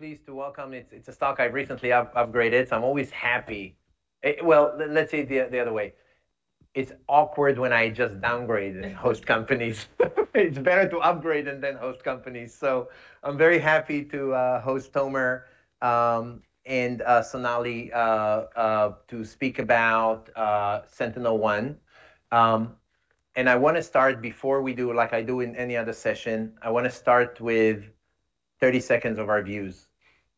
Pleased to welcome. It's a stock I've recently upgraded, so I'm always happy. Well, let's say it the other way. It's awkward when I just downgrade and host companies. It's better to upgrade and then host companies. I'm very happy to host Tomer and Sonalee to speak about SentinelOne. I want to start before we do, like I do in any other session, I want to start with 30 seconds of our views.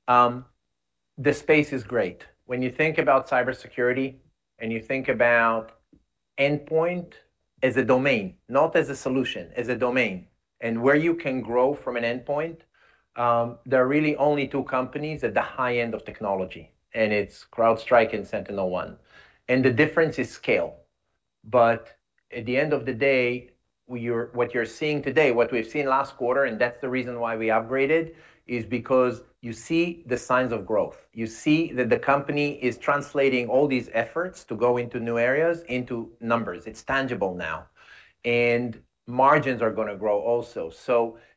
The space is great. When you think about cybersecurity and you think about endpoint as a domain, not as a solution, as a domain, and where you can grow from an endpoint, there are really only two companies at the high end of technology, and it's CrowdStrike and SentinelOne, and the difference is scale. At the end of the day, what you're seeing today, what we've seen last quarter, and that's the reason why we upgraded, is because you see the signs of growth. You see that the company is translating all these efforts to go into new areas, into numbers. It's tangible now, and margins are going to grow also.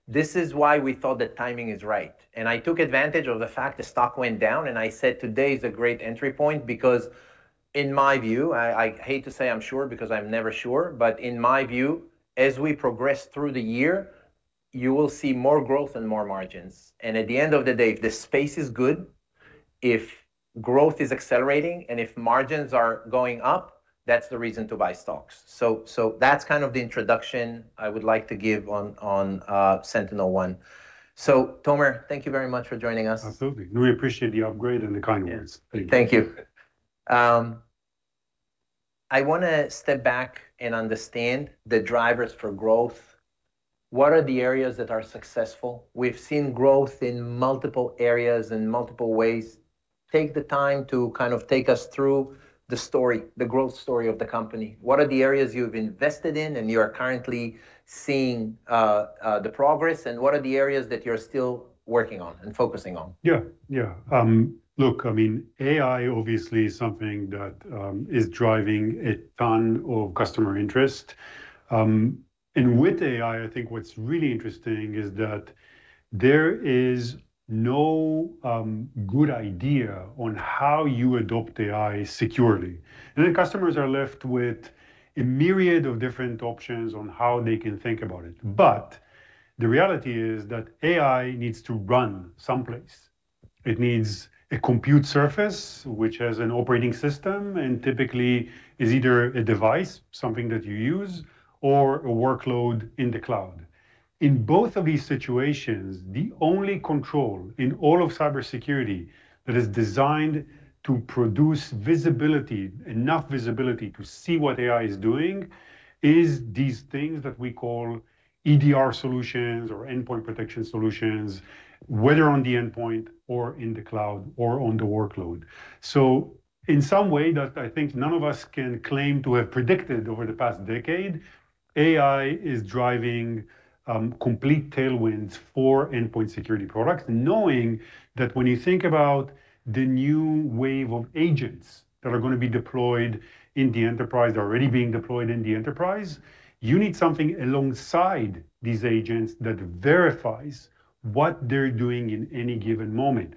This is why we thought the timing is right, and I took advantage of the fact the stock went down, and I said today is a great entry point because in my view, I hate to say I'm sure because I'm never sure, but in my view, as we progress through the year, you will see more growth and more margins. At the end of the day, if the space is good, if growth is accelerating, and if margins are going up, that's the reason to buy stocks. That's kind of the introduction I would like to give on SentinelOne. Tomer, thank you very much for joining us. Absolutely. We appreciate the upgrade and the kind words. Thank you. Thank you. I want to step back and understand the drivers for growth. What are the areas that are successful? We've seen growth in multiple areas in multiple ways. Take the time to kind of take us through the story, the growth story of the company. What are the areas you've invested in and you are currently seeing the progress, and what are the areas that you're still working on and focusing on? Look, I mean, AI obviously is something that is driving a ton of customer interest. With AI, I think what's really interesting is that there is no good idea on how you adopt AI securely. Customers are left with a myriad of different options on how they can think about it. The reality is that AI needs to run someplace. It needs a compute surface, which has an operating system, and typically is either a device, something that you use, or a workload in the cloud. In both of these situations, the only control in all of cybersecurity that is designed to produce visibility, enough visibility to see what AI is doing, is these things that we call EDR solutions or endpoint protection solutions, whether on the endpoint or in the cloud or on the workload. In some way that I think none of us can claim to have predicted over the past decade, AI is driving complete tailwinds for endpoint security products, knowing that when you think about the new wave of agents that are going to be deployed in the enterprise, already being deployed in the enterprise, you need something alongside these agents that verifies what they're doing in any given moment.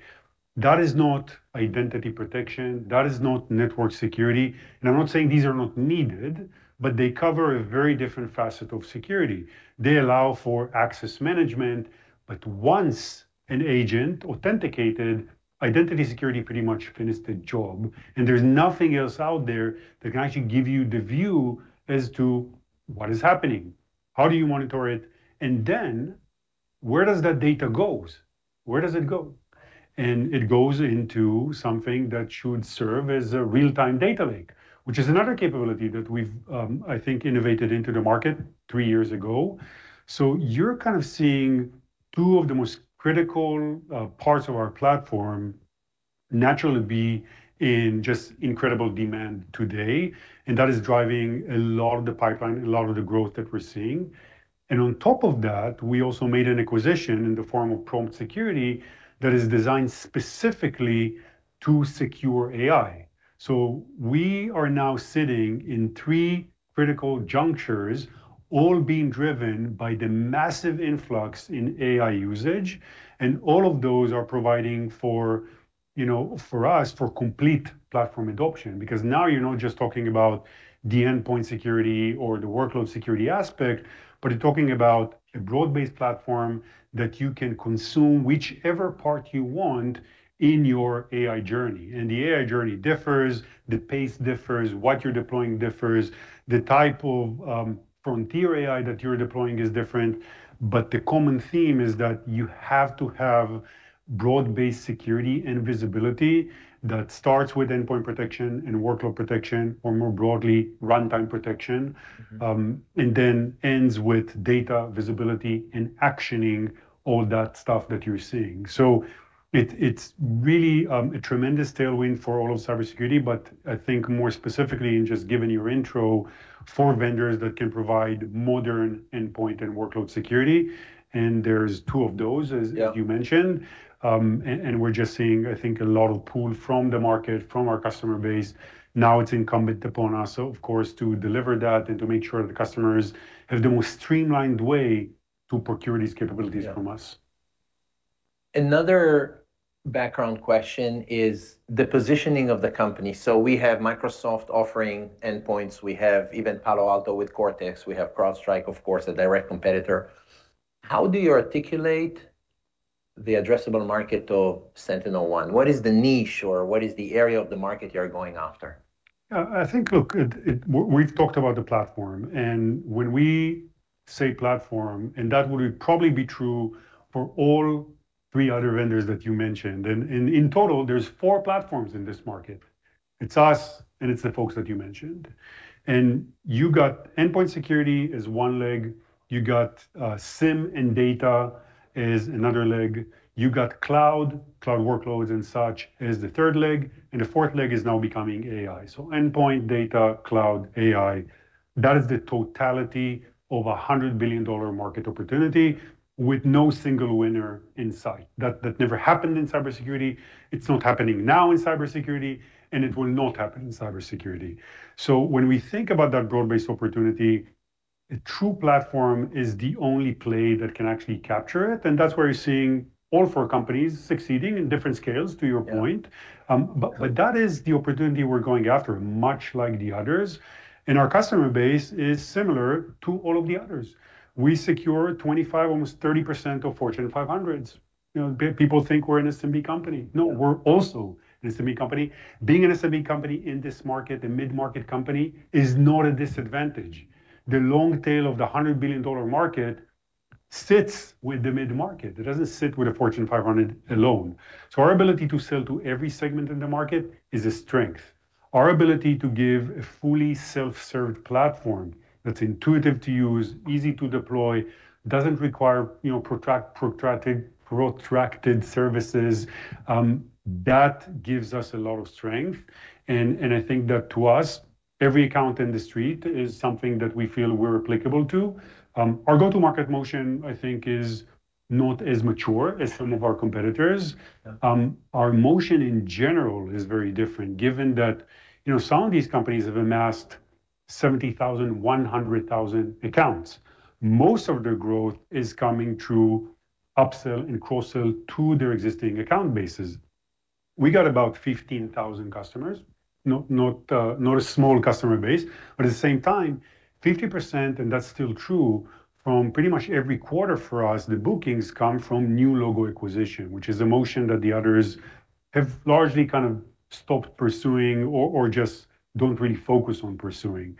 That is not identity protection. That is not network security. I'm not saying these are not needed, but they cover a very different facet of security. They allow for access management, but once an agent authenticated, identity security pretty much finished the job, and there's nothing else out there that can actually give you the view as to what is happening, how do you monitor it, and then where does that data go? Where does it go? It goes into something that should serve as a real-time data lake, which is another capability that we've, I think, innovated into the market three years ago. You're kind of seeing two of the most critical parts of our platform naturally be in just incredible demand today. That is driving a lot of the pipeline, a lot of the growth that we're seeing. On top of that, we also made an acquisition in the form of Prompt Security that is designed specifically to secure AI. We are now sitting in three critical junctures, all being driven by the massive influx in AI usage, and all of those are providing for us, for complete platform adoption. Now you're not just talking about the endpoint security or the workload security aspect, but you're talking about a broad-based platform that you can consume whichever part you want in your AI journey. The AI journey differs, the pace differs, what you're deploying differs, the type of frontier AI that you're deploying is different. The common theme is that you have to have broad-based security and visibility that starts with endpoint protection and workload protection, or more broadly, runtime protection. And then ends with data visibility and actioning all that stuff that you're seeing. It's really a tremendous tailwind for all of cybersecurity, but I think more specifically, and just given your intro, for vendors that can provide modern endpoint and workload security, and there's two of those. Yeah. you mentioned. We're just seeing, I think, a lot of pull from the market, from our customer base. Now it's incumbent upon us, of course, to deliver that and to make sure the customers have the most streamlined way to procure these capabilities from us. Another background question is the positioning of the company. We have Microsoft offering endpoints. We have even Palo Alto with Cortex. We have CrowdStrike, of course, a direct competitor. How do you articulate the addressable market of SentinelOne? What is the niche, or what is the area of the market you're going after? Look, we've talked about the platform, and when we say platform, that would probably be true for all three other vendors that you mentioned. In total, there's four platforms in this market. It's us, and it's the folks that you mentioned. You got endpoint security as one leg, you got SIEM and data as another leg, you got cloud workloads and such as the third leg, and the fourth leg is now becoming AI. Endpoint, data, cloud, AI, that is the totality of a $100 billion market opportunity with no single winner in sight. That never happened in cybersecurity, it's not happening now in cybersecurity, and it will not happen in cybersecurity. When we think about that broad-based opportunity, a true platform is the only play that can actually capture it, and that's where you're seeing all four companies succeeding in different scales, to your point. Yeah. That is the opportunity we're going after, much like the others. Our customer base is similar to all of the others. We secure 25%, almost 30% of Fortune 500s. People think we're an SMB company. No, we're also an SMB company. Being an SMB company in this market, a mid-market company, is not a disadvantage. The long tail of the $100 billion market sits with the mid-market. It doesn't sit with the Fortune 500 alone. Our ability to sell to every segment in the market is a strength. Our ability to give a fully self-served platform that's intuitive to use, easy to deploy, doesn't require protracted services, that gives us a lot of strength. I think that to us, every account in the street is something that we feel we're applicable to. Our go-to-market motion, I think is not as mature as some of our competitors. Yeah. Our motion, in general, is very different given that some of these companies have amassed 70,000, 100,000 accounts. Most of their growth is coming through upsell and cross-sell to their existing account bases. We got about 15,000 customers. Not a small customer base, but at the same time, 50%, and that's still true from pretty much every quarter for us, the bookings come from new logo acquisition, which is a motion that the others have largely kind of stopped pursuing or just don't really focus on pursuing.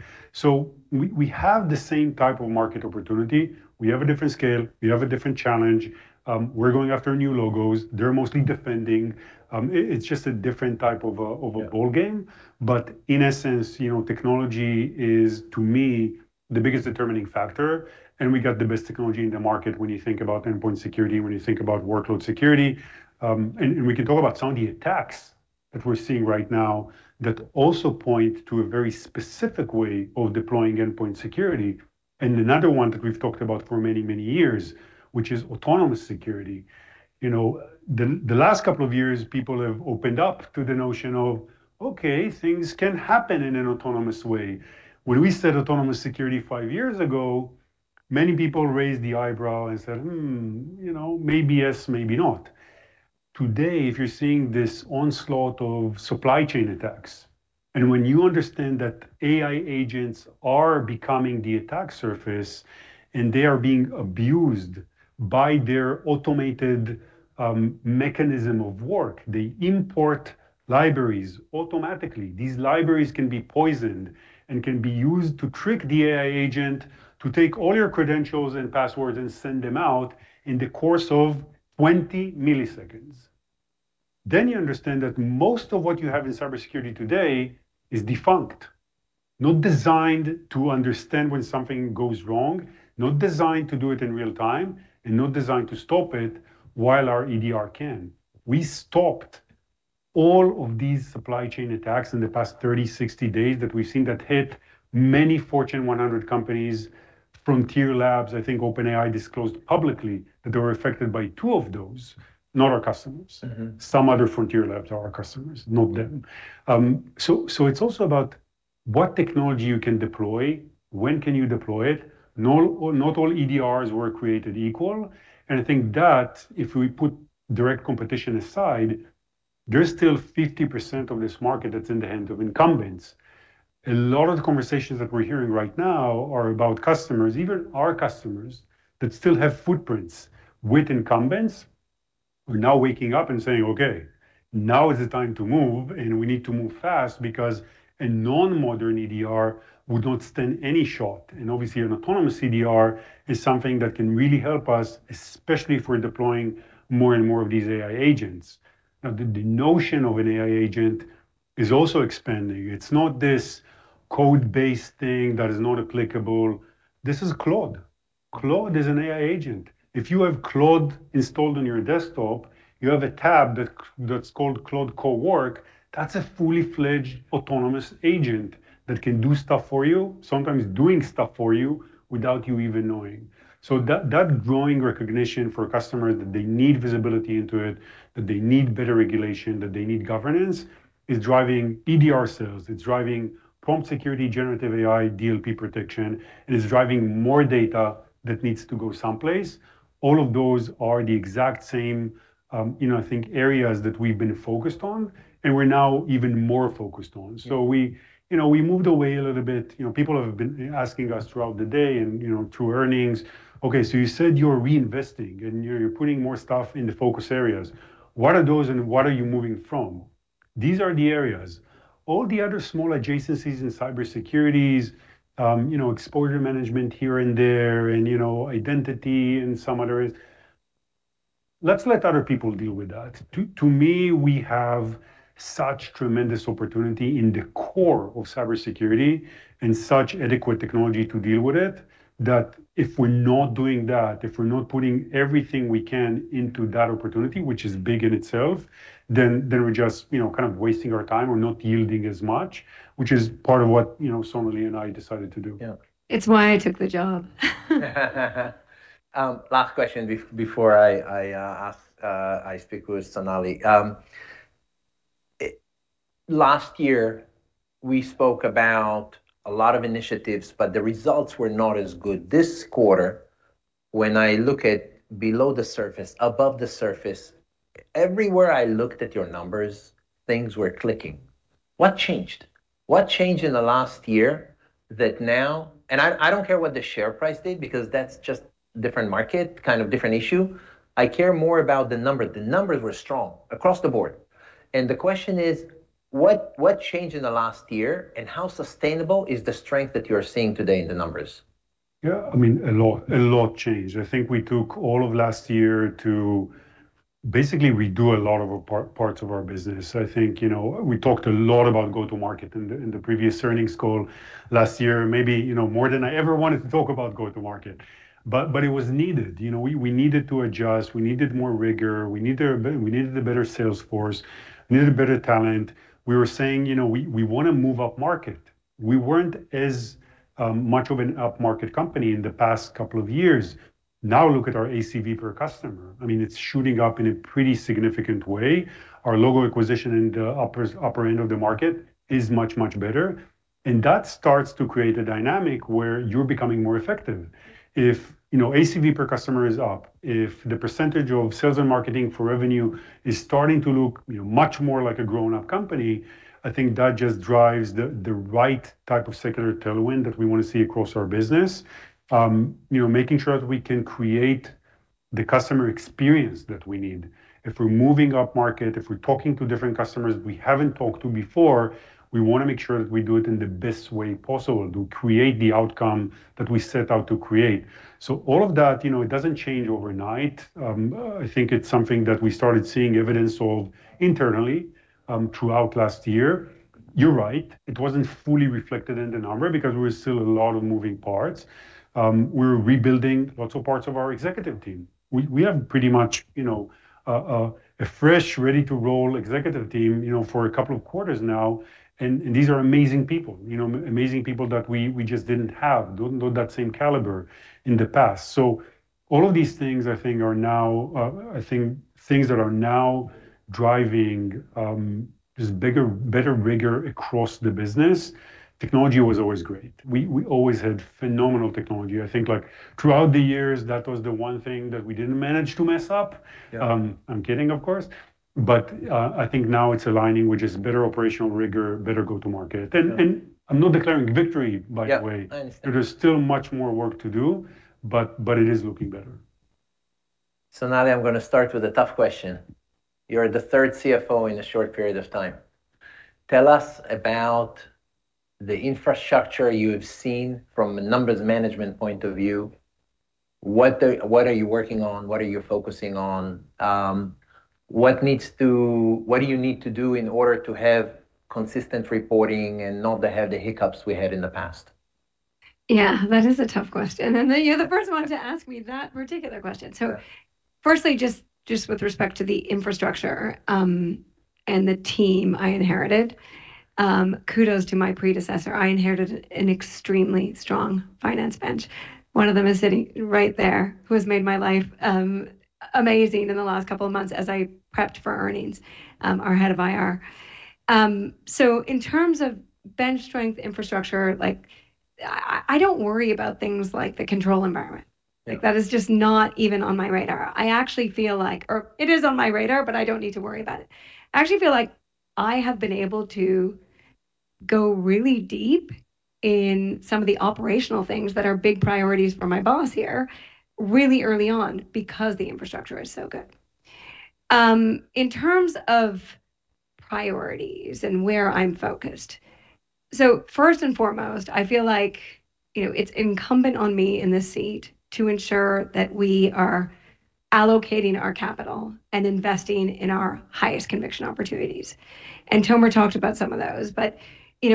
We have the same type of market opportunity. We have a different scale. We have a different challenge. We're going after new logos. They're mostly defending. It's just a different type of a ballgame. Yeah. In essence, technology is, to me, the biggest determining factor, and we got the best technology in the market when you think about endpoint security and when you think about workload security. We can talk about some of the attacks that we're seeing right now that also point to a very specific way of deploying endpoint security, and another one that we've talked about for many, many years, which is autonomous security. The last couple of years, people have opened up to the notion of, okay, things can happen in an autonomous way. When we said autonomous security five years ago, many people raised the eyebrow and said, "Hmm. Maybe yes, maybe not." Today, if you're seeing this onslaught of supply chain attacks, and when you understand that AI agents are becoming the attack surface, and they are being abused by their automated mechanism of work, they import libraries automatically. These libraries can be poisoned and can be used to trick the AI agent to take all your credentials and passwords and send them out in the course of 20 milliseconds. You understand that most of what you have in cybersecurity today is defunct, not designed to understand when something goes wrong, not designed to do it in real time, and not designed to stop it while our EDR can. We stopped all of these supply chain attacks in the past 30, 60 days that we've seen that hit many Fortune 100 companies. Frontier labs, I think OpenAI disclosed publicly that they were affected by two of those. Not our customers. Some other Frontier Labs are our customers, not them. It's also about what technology you can deploy, when can you deploy it. Not all EDRs were created equal. I think that if we put direct competition aside, there's still 50% of this market that's in the hand of incumbents. A lot of the conversations that we're hearing right now are about customers, even our customers, that still have footprints with incumbents, are now waking up and saying, "Okay, now is the time to move, and we need to move fast because a non-modern EDR would not stand any shot. Obviously, an autonomous EDR is something that can really help us, especially if we're deploying more and more of these AI agents." Now, the notion of an AI agent is also expanding. It's not this code-based thing that is not applicable. Claude is an AI agent. If you have Claude installed on your desktop, you have a tab that's called Claude Cowork, that's a fully fledged autonomous agent that can do stuff for you, sometimes doing stuff for you without you even knowing. That growing recognition for a customer that they need visibility into it, that they need better regulation, that they need governance, is driving EDR sales. It's driving Prompt Security, generative AI, DLP protection. It is driving more data that needs to go someplace. All of those are the exact same, I think, areas that we've been focused on and we're now even more focused on. We moved away a little bit. People have been asking us throughout the day and through earnings, "Okay, so you said you're reinvesting and you're putting more stuff in the focus areas. What are those and what are you moving from?" These are the areas. All the other small adjacencies in cybersecurity, exposure management here and there, and identity and some others, let's let other people deal with that. To me, we have such tremendous opportunity in the core of cybersecurity and such adequate technology to deal with it, that if we're not doing that, if we're not putting everything we can into that opportunity, which is big in itself, then we're just kind of wasting our time or not yielding as much, which is part of what Sonalee and I decided to do. Yeah. It's why I took the job. Last question before I speak with Sonalee. Last year we spoke about a lot of initiatives, but the results were not as good. This quarter, when I look at below the surface, above the surface, everywhere I looked at your numbers, things were clicking. What changed? What changed in the last year that now, and I don't care what the share price did because that's just different market, kind of different issue. I care more about the numbers. The numbers were strong across the board. The question is, what changed in the last year and how sustainable is the strength that you're seeing today in the numbers? Yeah, I mean, a lot changed. I think we took all of last year to basically redo a lot of parts of our business. I think we talked a lot about go-to-market in the previous earnings call last year, maybe more than I ever wanted to talk about go-to-market. It was needed. We needed to adjust. We needed more rigor. We needed a better sales force, needed better talent. We were saying, we want to move up market. We weren't as much of an upmarket company in the past couple of years. Now look at our ACV per customer. It's shooting up in a pretty significant way. Our logo acquisition in the upper end of the market is much, much better. That starts to create a dynamic where you're becoming more effective. If ACV per customer is up, if the percentage of sales and marketing for revenue is starting to look much more like a grown-up company, I think that just drives the right type of secular tailwind that we want to see across our business. Making sure that we can create the customer experience that we need. If we're moving up market, if we're talking to different customers we haven't talked to before, we want to make sure that we do it in the best way possible to create the outcome that we set out to create. All of that, it doesn't change overnight. I think it's something that we started seeing evidence of internally, throughout last year. You're right, it wasn't fully reflected in the number because there were still a lot of moving parts. We're rebuilding lots of parts of our executive team. We have pretty much a fresh, ready-to-roll executive team for a couple of quarters now, and these are amazing people. Amazing people that we just didn't have, that same caliber in the past. All of these things I think are now things that are now driving just bigger, better rigor across the business. Technology was always great. We always had phenomenal technology. I think throughout the years, that was the one thing that we didn't manage to mess up. Yeah. I'm kidding, of course. I think now it's aligning with just better operational rigor, better go to market. I'm not declaring victory, by the way. Yeah. I understand. There is still much more work to do, but it is looking better. Sonalee, I'm going to start with a tough question. You're the third CFO in a short period of time. Tell us about the infrastructure you have seen from a numbers management point of view. What are you working on? What are you focusing on? What do you need to do in order to have consistent reporting and not to have the hiccups we had in the past? Yeah, that is a tough question. You're the first one to ask me that particular question. Firstly, just with respect to the infrastructure and the team I inherited, kudos to my predecessor. I inherited an extremely strong finance bench. One of them is sitting right there, who has made my life amazing in the last couple of months as I prepped for earnings, our head of IR. In terms of bench strength infrastructure, I don't worry about things like the control environment. Yeah. That is just not even on my radar. I actually feel like, or it is on my radar, but I don't need to worry about it. I actually feel like I have been able to go really deep in some of the operational things that are big priorities for my boss here really early on because the infrastructure is so good. In terms of priorities and where I'm focused. First and foremost, I feel like it's incumbent on me in this seat to ensure that we are allocating our capital and investing in our highest conviction opportunities. Tomer talked about some of those.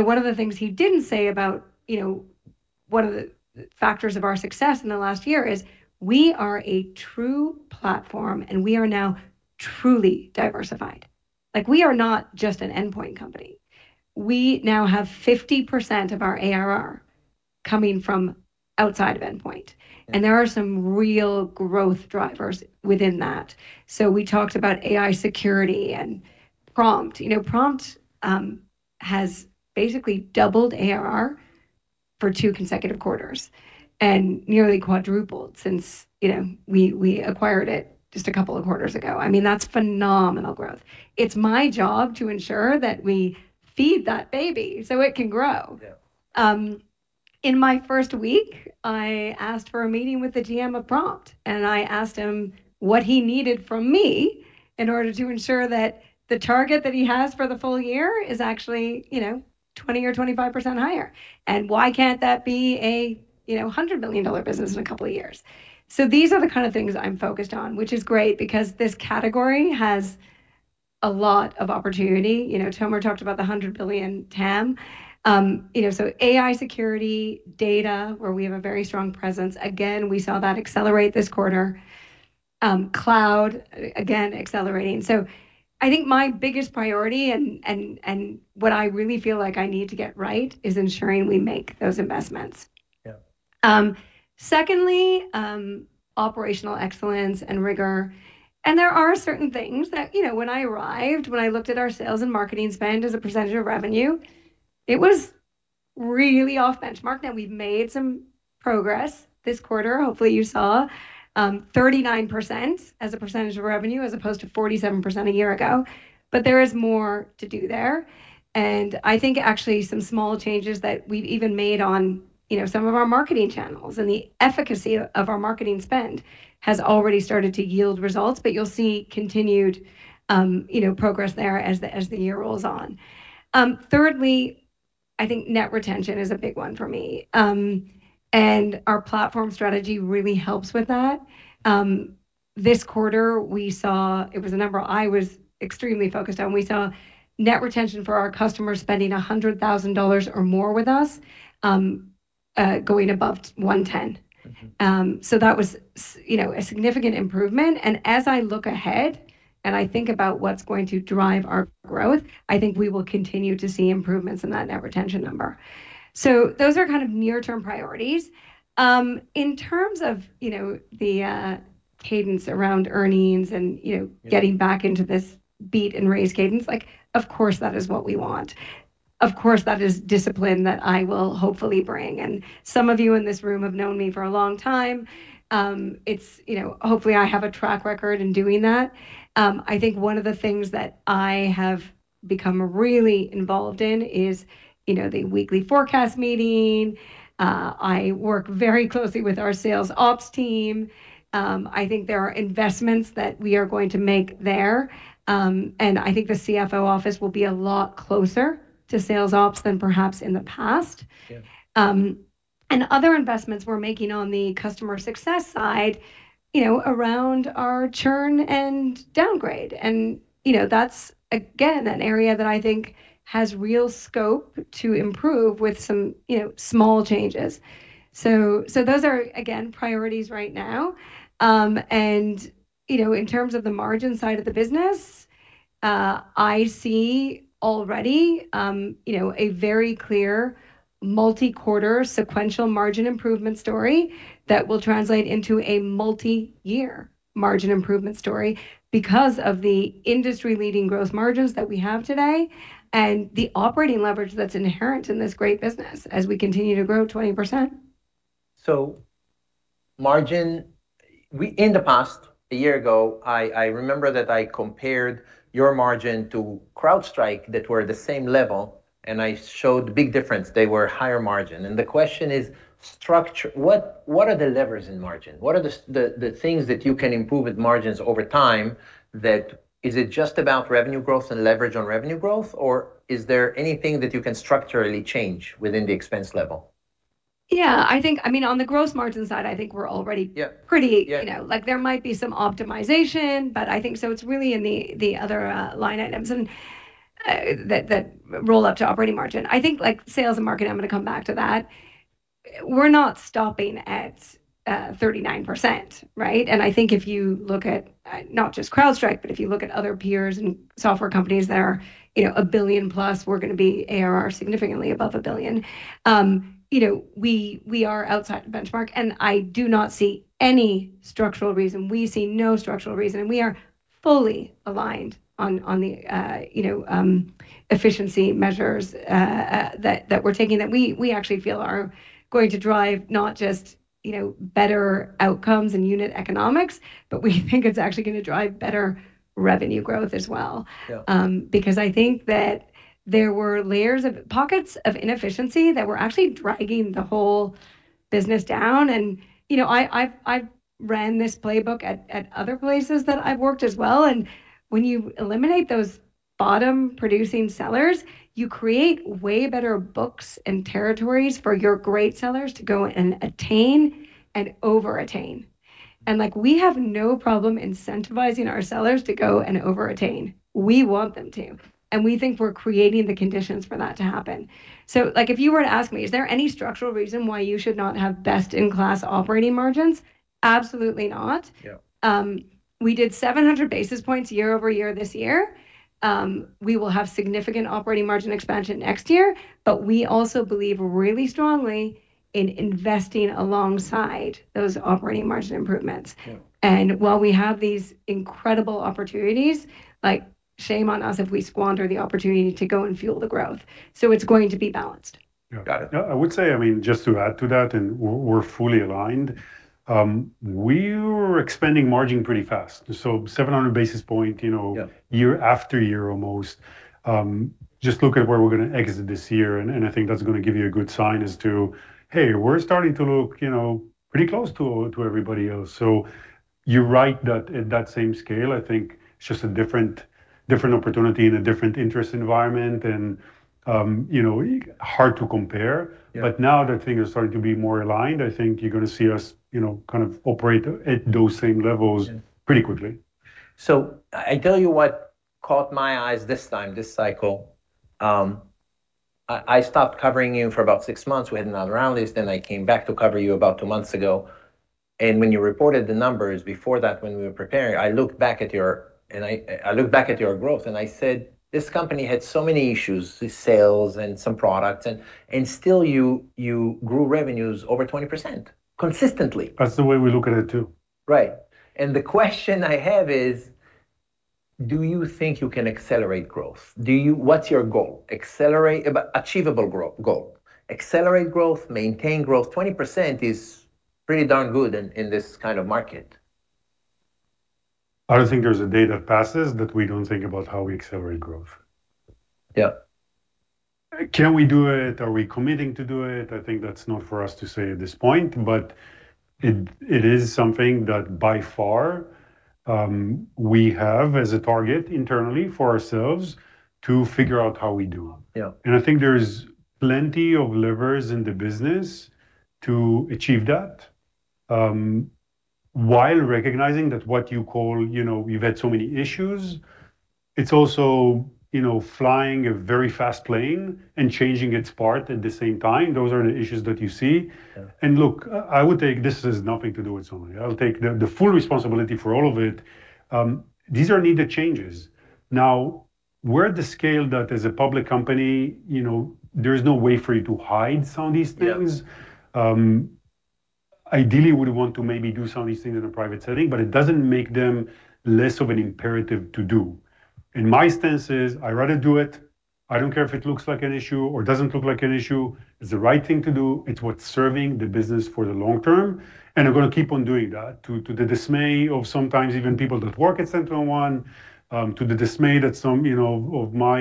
One of the things he didn't say about one of the factors of our success in the last year is we are a true platform, and we are now truly diversified. We are not just an endpoint company. We now have 50% of our ARR coming from outside of endpoint, and there are some real growth drivers within that. We talked about AI security and Prompt. Prompt has basically doubled ARR for two consecutive quarters and nearly quadrupled since we acquired it just a couple of quarters ago. That's phenomenal growth. It's my job to ensure that we feed that baby so it can grow. Yeah. In my first week, I asked for a meeting with the GM of Prompt, and I asked him what he needed from me in order to ensure that the target that he has for the full year is actually 20% or 25% higher. Why can't that be a $100 million business in a couple of years? These are the kind of things I'm focused on, which is great because this category has a lot of opportunity. Tomer talked about the $100 billion TAM. AI security data, where we have a very strong presence. Again, we saw that accelerate this quarter. Cloud, again, accelerating. I think my biggest priority, and what I really feel like I need to get right, is ensuring we make those investments. Yeah. Secondly, operational excellence and rigor. There are certain things that when I arrived, when I looked at our sales and marketing spend as a percentage of revenue, it was really off benchmark. Now we've made some progress this quarter. Hopefully, you saw 39% as a percentage of revenue as opposed to 47% a year ago. There is more to do there, and I think actually some small changes that we've even made on some of our marketing channels, and the efficacy of our marketing spend has already started to yield results. You'll see continued progress there as the year rolls on. Thirdly, I think net retention is a big one for me. Our platform strategy really helps with that. This quarter, it was a number I was extremely focused on. We saw net retention for our customers spending $100,000 or more with us going above $110,000. That was a significant improvement. As I look ahead, and I think about what's going to drive our growth, I think we will continue to see improvements in that net retention number. Those are near-term priorities. In terms of the cadence around earnings and. Yeah. getting back into this beat and raise cadence, of course, that is what we want. Of course, that is discipline that I will hopefully bring. Some of you in this room have known me for a long time. Hopefully, I have a track record in doing that. I think one of the things that I have become really involved in is the weekly forecast meeting. I work very closely with our sales ops team. I think there are investments that we are going to make there. I think the CFO office will be a lot closer to sales ops than perhaps in the past. Yeah. Other investments we're making on the customer success side around our churn and downgrade. That's, again, an area that I think has real scope to improve with some small changes. Those are, again, priorities right now. In terms of the margin side of the business, I see already a very clear multi-quarter sequential margin improvement story that will translate into a multi-year margin improvement story because of the industry-leading gross margins that we have today and the operating leverage that's inherent in this great business as we continue to grow 20%. Margin. In the past, a year ago, I remember that I compared your margin to CrowdStrike that were the same level, and I showed big difference. They were higher margin. The question is structure. What are the levers in margin? What are the things that you can improve with margins over time, is it just about revenue growth and leverage on revenue growth, or is there anything that you can structurally change within the expense level? Yeah. On the gross margin side. Yeah. There might be some optimization, but I think so it's really in the other line items, and that roll up to operating margin. I think sales and marketing, I'm going to come back to that. We're not stopping at 39%, right? I think if you look at not just CrowdStrike, but if you look at other peers and software companies that are $1 billion+, we're going to be ARR significantly above $1 billion. We are outside the benchmark, and I do not see any structural reason. We see no structural reason, and we are fully aligned on the efficiency measures that we're taking that we actually feel are going to drive not just better outcomes and unit economics, but we think it's actually going to drive better revenue growth as well. Yeah. I think that there were layers of pockets of inefficiency that were actually dragging the whole business down. I've ran this playbook at other places that I've worked as well, and when you eliminate those bottom-producing sellers, you create way better books and territories for your great sellers to go and attain and over-attain. Like, we have no problem incentivizing our sellers to go and over-attain. We want them to, and we think we're creating the conditions for that to happen. If you were to ask me, is there any structural reason why you should not have best-in-class operating margins? Absolutely not. Yeah. We did 700 basis points year-over-year this year. We will have significant operating margin expansion next year. We also believe really strongly in investing alongside those operating margin improvements. Yeah. While we have these incredible opportunities, shame on us if we squander the opportunity to go and fuel the growth. It's going to be balanced. Yeah. Got it. I would say, just to add to that, and we're fully aligned, we were expanding margin pretty fast. 700 basis points. Yeah. Year-after-year almost. Just look at where we're going to exit this year, and I think that's going to give you a good sign as to, hey, we're starting to look pretty close to everybody else. You're right that at that same scale, I think it's just a different opportunity and a different interest environment, and hard to compare. Yeah. Now that things are starting to be more aligned, I think you're going to see us kind of operate at those same levels pretty quickly. I tell you what caught my eyes this time, this cycle. I stopped covering you for about six months, we had an analyst, then I came back to cover you about two months ago, and when you reported the numbers before that when we were preparing, I looked back at your growth and I said, "This company had so many issues, the sales and some products, and still you grew revenues over 20%, consistently. That's the way we look at it, too. Right. The question I have is, do you think you can accelerate growth? What's your goal? Achievable goal. Accelerate growth, maintain growth? 20% is pretty darn good in this kind of market. I don't think there's a day that passes that we don't think about how we accelerate growth. Yep. Can we do it? Are we committing to do it? I think that's not for us to say at this point, but it is something that by far, we have as a target internally for ourselves to figure out how we do. Yeah. I think there's plenty of levers in the business to achieve that, while recognizing that what you call, you've had so many issues, it's also flying a very fast plane and changing its part at the same time. Those are the issues that you see. Yeah. Look, this has nothing to do with somebody. I would take the full responsibility for all of it. These are needed changes. We're at the scale that as a public company, there is no way for you to hide some of these things. Yeah. Ideally, we would want to maybe do some of these things in a private setting, but it doesn't make them less of an imperative to do. My stance is, I'd rather do it. I don't care if it looks like an issue or doesn't look like an issue. It's the right thing to do. It's what's serving the business for the long term, and I'm going to keep on doing that, to the dismay of sometimes even people that work at SentinelOne, to the dismay of my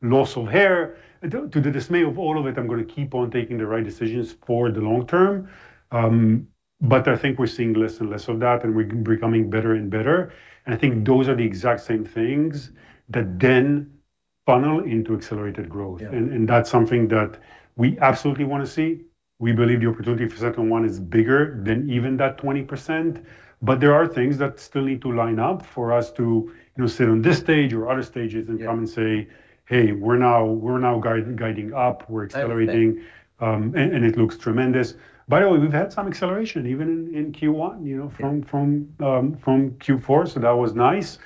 loss of hair. To the dismay of all of it, I'm going to keep on taking the right decisions for the long term. I think we're seeing less and less of that, and we're becoming better and better. I think those are the exact same things that then funnel into accelerated growth. Yeah. That's something that we absolutely want to see. We believe the opportunity for SentinelOne is bigger than even that 20%. There are things that still need to line up for us to sit on this stage or other stages and come and say, "Hey, we're now guiding up. We're accelerating. I agree. It looks tremendous. By the way, we've had some acceleration even in Q1. Yeah. From Q4, that was nice.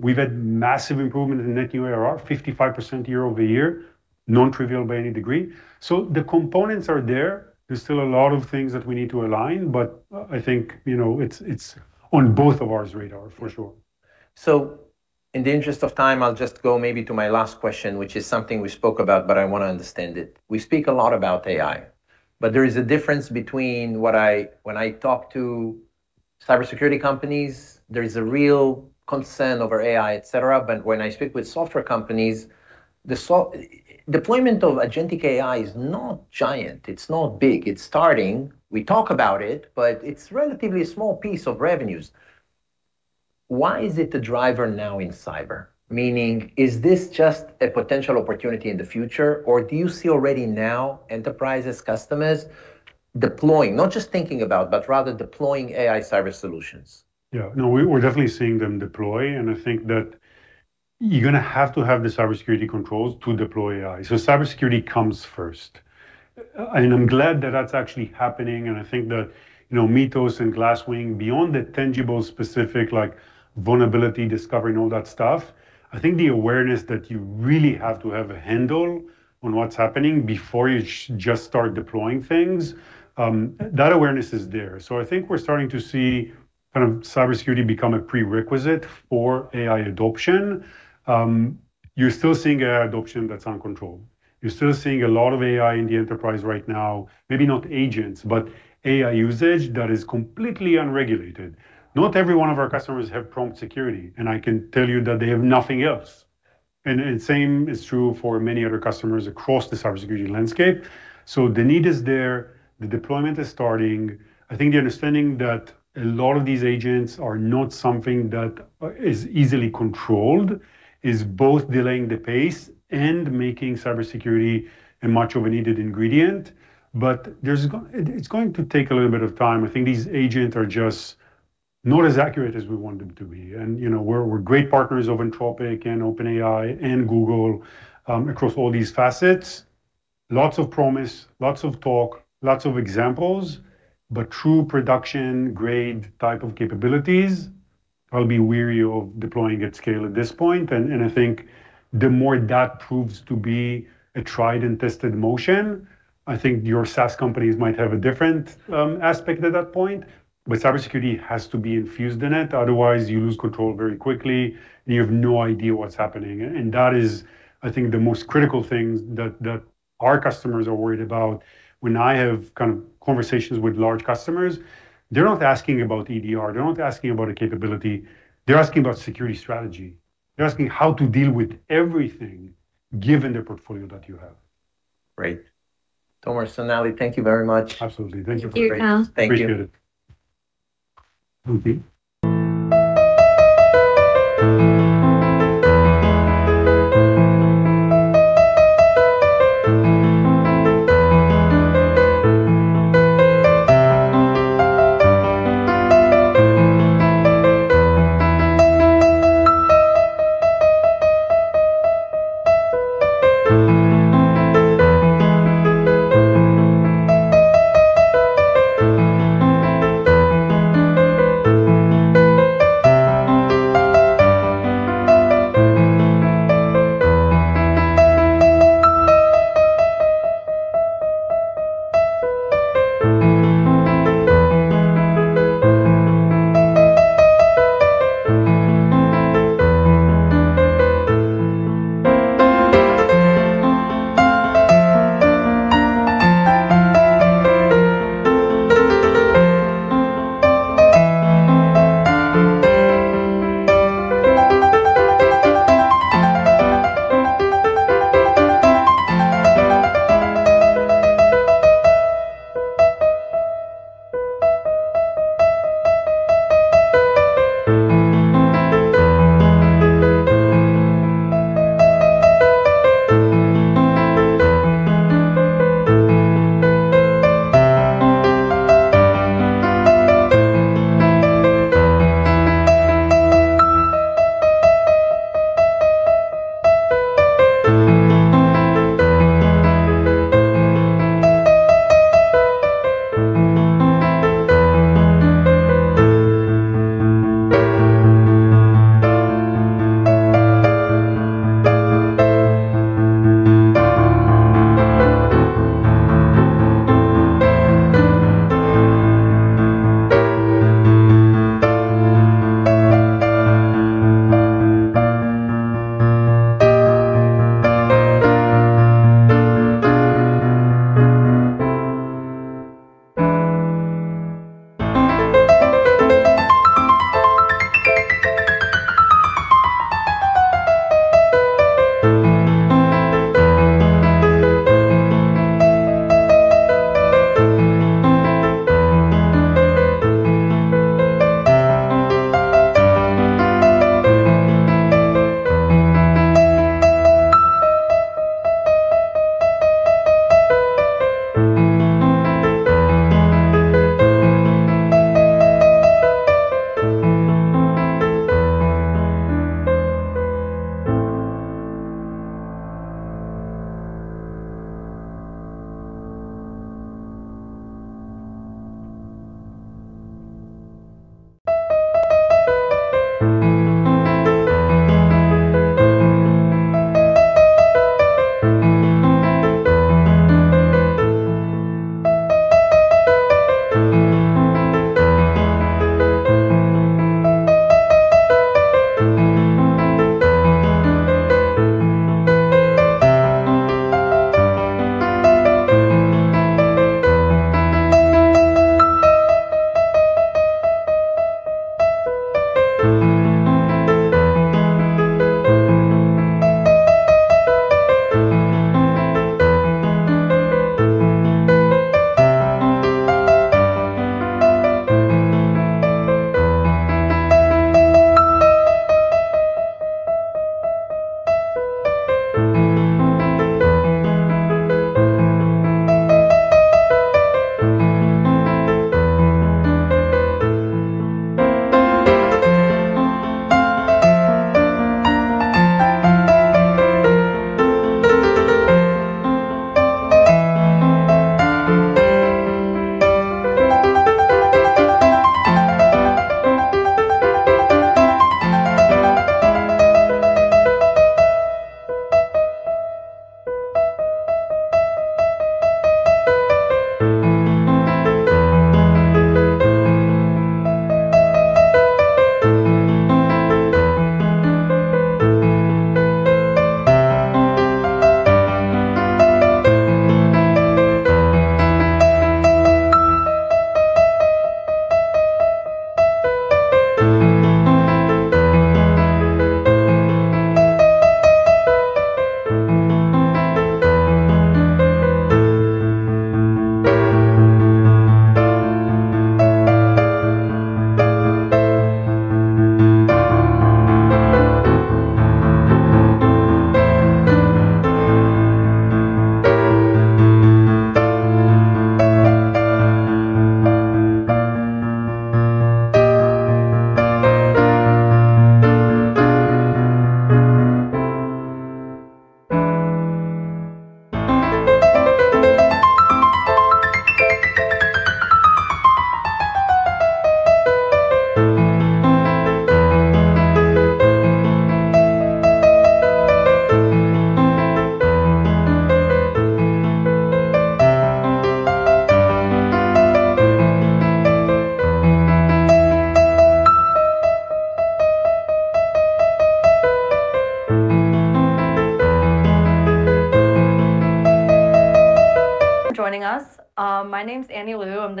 We've had massive improvement in Net New ARR, 55% year-over-year, non-trivial by any degree. The components are there. There's still a lot of things that we need to align, but I think it's on both of ours radar, for sure. In the interest of time, I'll just go maybe to my last question, which is something we spoke about, but I want to understand it. We speak a lot about AI, but there is a difference between when I talk to cybersecurity companies, there is a real concern over AI, et cetera. When I speak with software companies, deployment of agentic AI is not giant. It's not big. It's starting. We talk about it, but it's relatively a small piece of revenues. Why is it the driver now in cyber? Meaning, is this just a potential opportunity in the future, or do you see already now enterprises, customers deploying, not just thinking about, but rather deploying AI cyber solutions? Yeah. No, we're definitely seeing them deploy. I think that you're going to have to have the cybersecurity controls to deploy AI. Cybersecurity comes first. I'm glad that that's actually happening. I think that Mythos and Glasswing, beyond the tangible specific, like vulnerability discovery and all that stuff, I think the awareness that you really have to have a handle on what's happening before you just start deploying things, that awareness is there. I think we're starting to see cybersecurity become a prerequisite for AI adoption. You're still seeing AI adoption that's uncontrolled. You're still seeing a lot of AI in the enterprise right now, maybe not agents, but AI usage that is completely unregulated. Not every one of our customers have Prompt Security. I can tell you that they have nothing else. Same is true for many other customers across the cybersecurity landscape. The need is there, the deployment is starting. I think the understanding that a lot of these agents are not something that is easily controlled is both delaying the pace and making cybersecurity a much-needed ingredient. It's going to take a little bit of time. I think these agents are just not as accurate as we want them to be. We're great partners of Anthropic and OpenAI and Google across all these facets. Lots of promise, lots of talk, lots of examples, but true production-grade type of capabilities, I'll be weary of deploying at scale at this point. I think the more that proves to be a tried and tested motion, I think your SaaS companies might have a different aspect at that point. Cybersecurity has to be infused in it, otherwise you lose control very quickly, and you have no idea what's happening. That is, I think, the most critical thing that our customers are worried about. When I have conversations with large customers, they're not asking about EDR, they're not asking about a capability, they're asking about security strategy. They're asking how to deal with everything given the portfolio that you have. Great. Tomer, Sonalee, thank you very much. Absolutely. Thank you for having me. Thank you,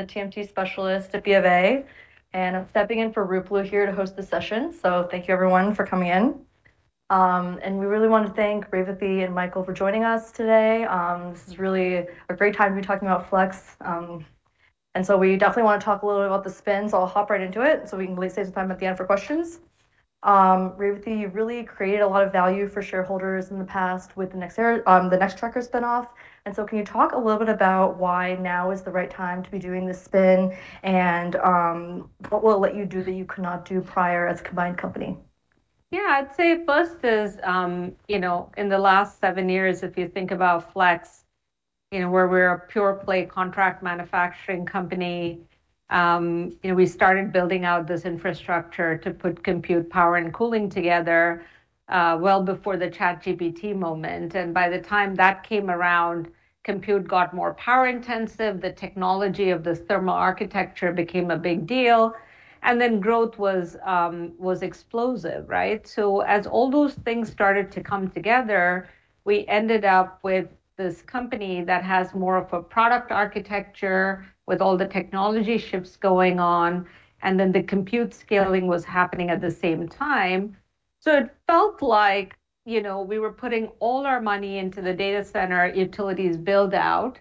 Tom. Thank you. Appreciate it. For joining us. My name's Amy Liu, I'm the TMT specialist at BofA. I'm stepping in for Ruplu here to host the session. Thank you everyone for coming in. We really want to thank Revathi and Michael for joining us today. This is really a great time to be talking about Flex. We definitely want to talk a little bit about the spins. I'll hop right into it so we can save some time at the end for questions. Revathi, you really created a lot of value for shareholders in the past with the Nextracker spinoff. Can you talk a little bit about why now is the right time to be doing this spin, and what will it let you do that you could not do prior as a combined company? Yeah. I'd say first is, in the last seven years, if you think about Flex, where we're a pure-play contract manufacturing company, we started building out this infrastructure to put compute power and cooling together well before the ChatGPT moment. By the time that came around, compute got more power-intensive, the technology of this thermal architecture became a big deal, and then growth was explosive. Right? As all those things started to come together, we ended up with this company that has more of a product architecture with all the technology shifts going on, and then the compute scaling was happening at the same time. It felt like we were putting all our money into the data center utilities build-out.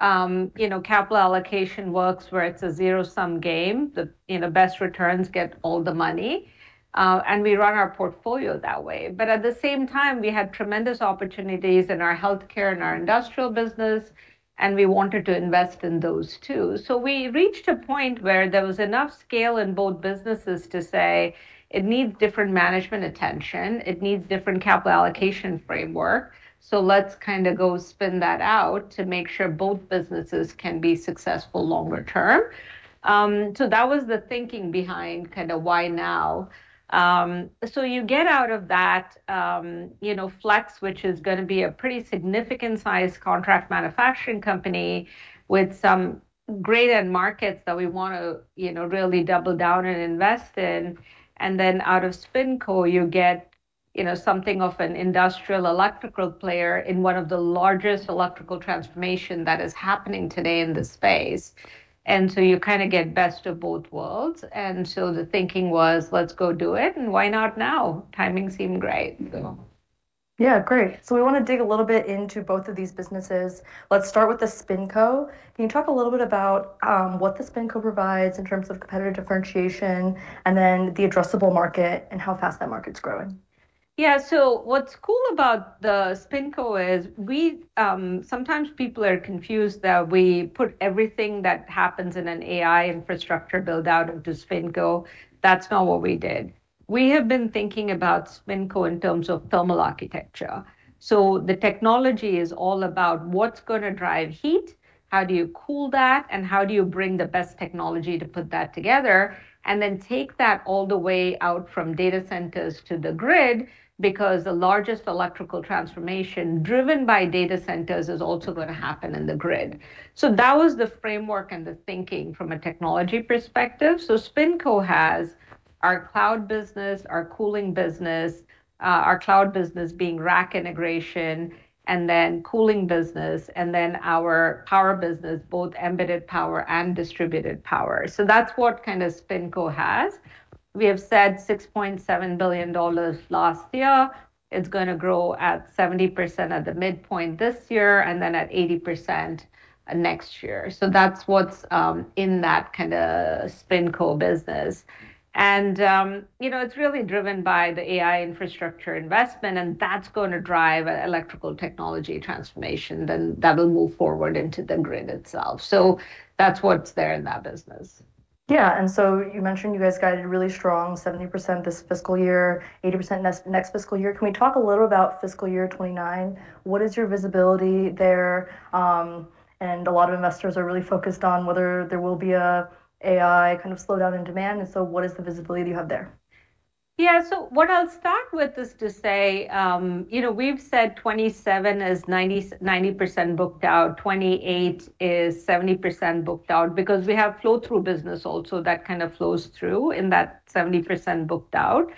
Capital allocation works where it's a zero-sum game. The best returns get all the money, and we run our portfolio that way. At the same time, we had tremendous opportunities in our healthcare and our industrial business, and we wanted to invest in those, too. We reached a point where there was enough scale in both businesses to say it needs different management attention. It needs different capital allocation framework, let's go spin that out to make sure both businesses can be successful longer term. That was the thinking behind why now. You get out of that Flex, which is going to be a pretty significant sized contract manufacturing company with some great end markets that we want to really double down and invest in. Out of SpinCo, you get something of an industrial electrical player in one of the largest electrical transformation that is happening today in the space. You get best of both worlds. The thinking was, let's go do it, and why not now? Timing seemed great. Yeah. Great. We want to dig a little bit into both of these businesses. Let's start with the SpinCo. Can you talk a little bit about what the SpinCo provides in terms of competitive differentiation, and then the addressable market and how fast that market's growing? Yeah. What's cool about the SpinCo is sometimes people are confused that we put everything that happens in an AI infrastructure build-out into SpinCo. That's not what we did. We have been thinking about SpinCo in terms of thermal architecture. The technology is all about what's going to drive heat, how do you cool that, and how do you bring the best technology to put that together? Take that all the way out from data centers to the grid, because the largest electrical transformation driven by data centers is also going to happen in the grid. That was the framework and the thinking from a technology perspective. SpinCo has our cloud business, our cooling business, our cloud business being rack integration, and then cooling business, and then our power business, both embedded power and distributed power. That's what SpinCo has. We have said $6.7 billion last year. It's going to grow at 70% at the midpoint this year, and then at 80% next year. That's what's in that SpinCo business. It's really driven by the AI infrastructure investment, and that's going to drive electrical technology transformation, then that'll move forward into the grid itself. That's what's there in that business. Yeah. You mentioned you guys guided really strong, 70% this fiscal year, 80% next fiscal year. Can we talk a little about fiscal year 2029? What is your visibility there? A lot of investors are really focused on whether there will be an AI slowdown in demand. What is the visibility you have there? What I'll start with is to say, we've said 2027 is 90% booked out, 2028 is 70% booked out, because we have flow-through business also that kind of flows through in that 70% booked out.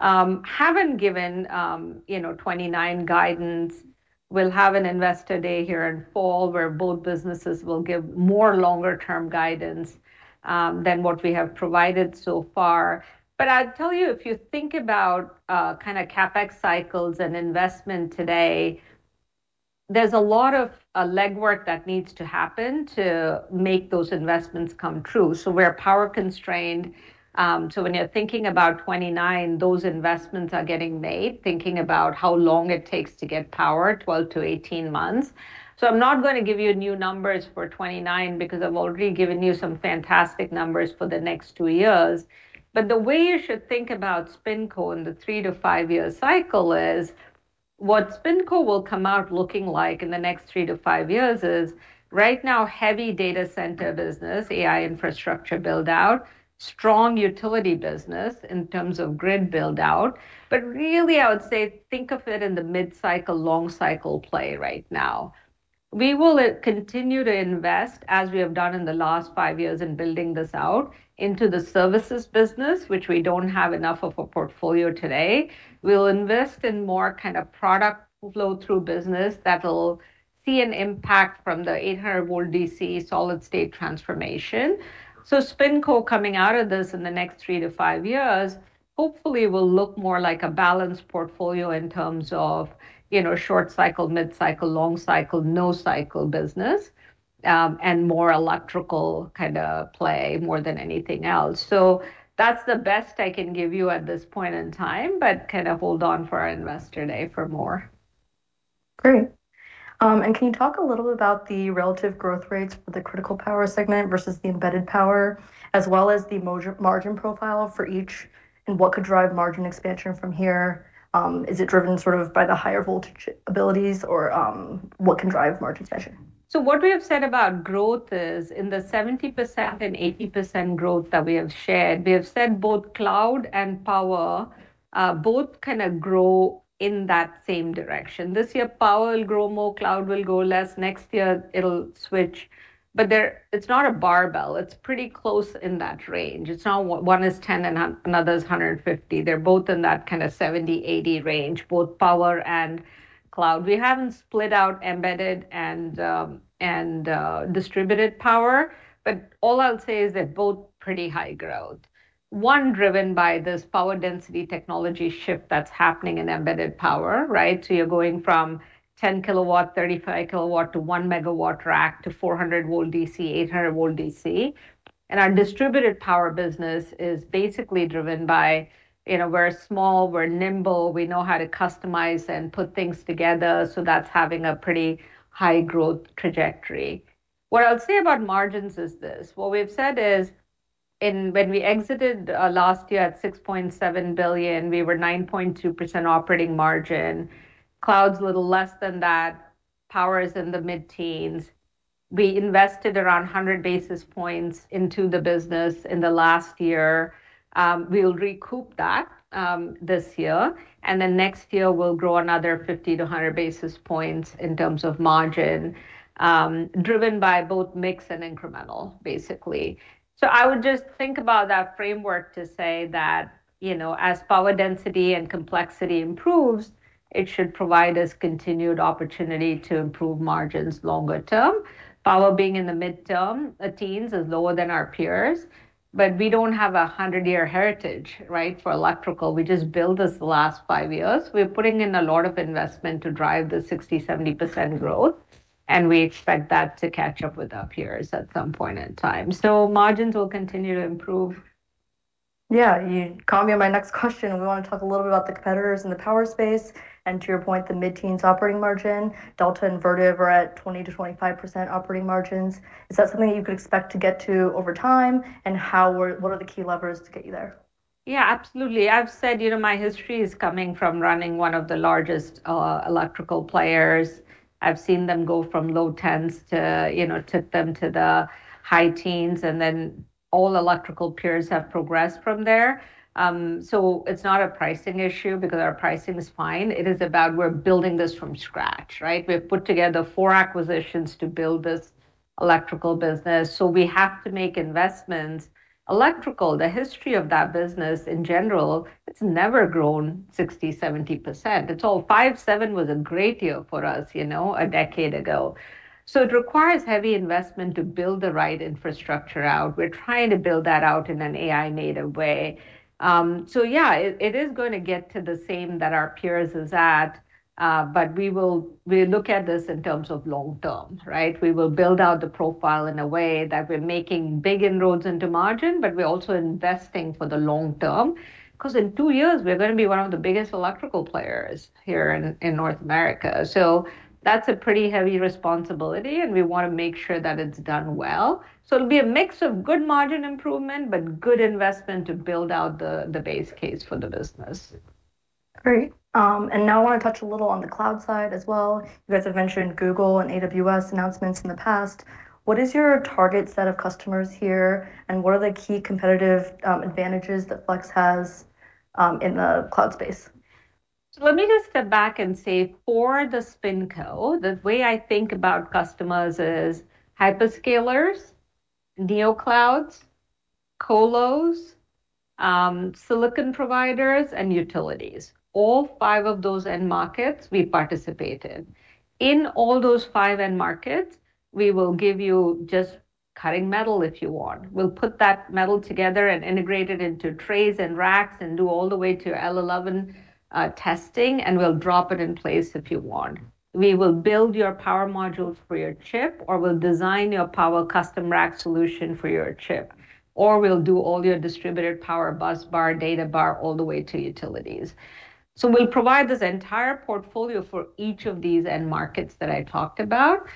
Haven't given 2029 guidance. We'll have an Investor Day here in fall, where both businesses will give more longer-term guidance than what we have provided so far. I'd tell you, if you think about CapEx cycles and investment today, there's a lot of legwork that needs to happen to make those investments come true. We're power constrained. When you're thinking about 2029, those investments are getting made, thinking about how long it takes to get power, 12-18 months. I'm not going to give you new numbers for 2029 because I've already given you some fantastic numbers for the next two years. The way you should think about SpinCo in the three-to-five-year cycle is, what SpinCo will come out looking like in the next three to five years is right now, heavy data center business, AI infrastructure build-out, strong utility business in terms of grid build-out. Really I would say think of it in the mid-cycle, long cycle play right now. We will continue to invest, as we have done in the last five years in building this out, into the services business, which we don't have enough of a portfolio today. We'll invest in more product flow through business that'll see an impact from 800 VDC solid state transformation. SpinCo. coming out of this in the next three to five years, hopefully will look more like a balanced portfolio in terms of short cycle, mid-cycle, long cycle, no cycle business, and more electrical play, more than anything else. That's the best I can give you at this point in time, but hold on for our Investor Day for more. Great. Can you talk a little about the relative growth rates for the critical power segment versus the embedded power, as well as the margin profile for each, and what could drive margin expansion from here? Is it driven by the higher voltage abilities, or what can drive margin expansion? What we have said about growth is, in the 70% and 80% growth that we have shared, we have said both cloud and power, both grow in that same direction. This year, power will grow more, cloud will grow less. Next year it'll switch. It's not a barbell, it's pretty close in that range. It's not one is 10% and another is 150%. They're both in that 70%, 80% range, both power and cloud. We haven't split out embedded and distributed power. All I'll say is they're both pretty high growth. One driven by this power density technology shift that's happening in embedded power. You're going from 10 kW, 35 kW, to 1 MW rack, to 400 VDC, 800 VDC. Our distributed power business is basically driven by, we're small, we're nimble, we know how to customize and put things together. That's having a pretty high growth trajectory. What I'll say about margins is this. What we've said is, when we exited last year at $6.7 billion, we were 9.2% operating margin. Cloud's a little less than that. Power is in the mid-teens. We invested around 100 basis points into the business in the last year. We'll recoup that this year. Next year we'll grow another 50-100 basis points in terms of margin, driven by both mix and incremental basically. I would just think about that framework to say that, as power density and complexity improves, it should provide us continued opportunity to improve margins longer term. Power being in the mid-teens is lower than our peers. We don't have a 100-year heritage for electrical. We just built this the last five years. We're putting in a lot of investment to drive the 60%-70% growth. We expect that to catch up with our peers at some point in time. Margins will continue to improve. Yeah. You caught me on my next question. We want to talk a little bit about the competitors in the power space, and to your point, the mid-teens operating margin. Delta and Vertiv are at 20%-25% operating margins. Is that something you could expect to get to over time? What are the key levers to get you there? Absolutely. I've said my history is coming from running one of the largest electrical players. I've seen them go from low tens to the high teens, then all electrical peers have progressed from there. It's not a pricing issue because our pricing is fine. It is about we're building this from scratch. We've put together four acquisitions to build this electrical business. We have to make investments. Electrical, the history of that business in general, it's never grown 60%, 70%. 57% was a great year for us a decade ago. It requires heavy investment to build the right infrastructure out. We're trying to build that out in an AI native way. Yeah, it is going to get to the same that our peers is at. We look at this in terms of long-term. We will build out the profile in a way that we're making big inroads into margin, we're also investing for the long term. In two years we're going to be one of the biggest electrical players here in North America. That's a pretty heavy responsibility, and we want to make sure that it's done well. It'll be a mix of good margin improvement, but good investment to build out the base case for the business. Now I want to touch a little on the cloud side as well. You guys have mentioned Google and AWS announcements in the past. What is your target set of customers here, and what are the key competitive advantages that Flex has in the cloud space? Let me just step back and say for the SpinCo, the way I think about customers is hyperscalers, neoclouds colos, silicon providers, and utilities. All five of those end markets we participate in. In all those five end markets, we will give you just cutting metal if you want. We'll put that metal together and integrate it into trays and racks, and do all the way to L11 testing, and we'll drop it in place if you want. We will build your power modules for your chip, or we'll design your power custom rack solution for your chip, or we'll do all your distributed power busbar, data bar, all the way to utilities. We'll provide this entire portfolio for each of these end markets that I talked about.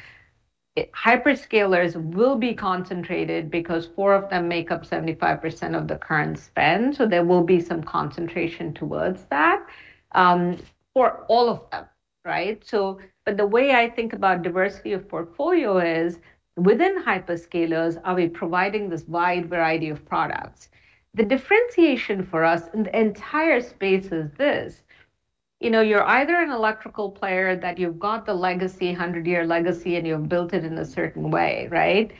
Hyperscalers will be concentrated because four of them make up 75% of the current spend, so there will be some concentration towards that for all of them. Right? The way I think about diversity of portfolio is within hyperscalers are we providing this wide variety of products. The differentiation for us in the entire space is this, you're either an electrical player that you've got the legacy, 100-year legacy, and you've built it in a certain way, right?